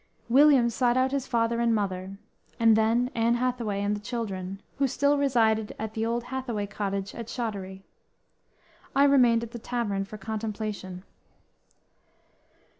William sought out his father and mother, and then Anne Hathaway and the children, who still resided at the old Hathaway cottage at Shottery. I remained at the tavern for contemplation.